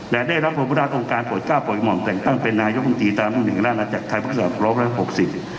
และได้รับภพุทธาตุองการโปรด๙ประวัติภาคมองแจ้งตั้งเป็นนายกรรมทีตามรุ่นแห่งร่างอาจารย์ไทยภาคศาสตร์๑๖๐